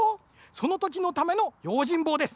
そのときのためのようじんぼうです。